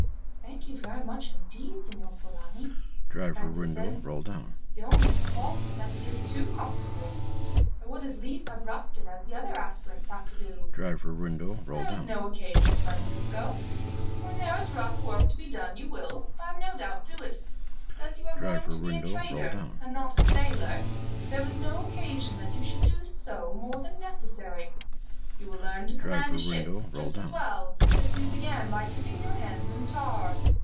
"Thank you very much indeed, Signor Polani," Francis said. "The only fault is that it is too comfortable. I would as lief have roughed it as other aspirants have to do." "There was no occasion, Francisco. When there is rough work to be done, you will, I have no doubt, do it; but as you are going to be a trader, and not a sailor, there is no occasion that you should do so more than is necessary. You will learn to command a ship just as well as if you began by dipping your hands in tar.